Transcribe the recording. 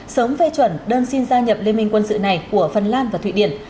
sớm phê chuẩn đơn xin gia nhập liên minh quân sự này của phần lan và thụy điển